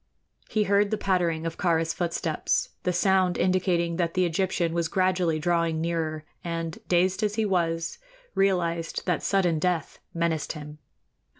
He heard the pattering of Kāra's footsteps, the sound indicating that the Egyptian was gradually drawing nearer, and, dazed as he was, realized that sudden death menaced him.